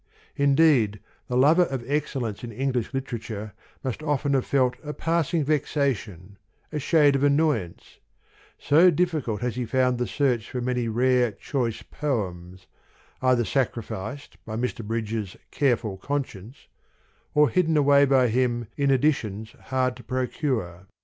Indeed, the lover of excellence in English literature must often have felt a passing vexation, a shade of annoyance ; so difficult has he found the search for many rare, choice poems, either sacrificed by Mr. Bridges' careful conscience, or hidden away by him in editions hard to procure.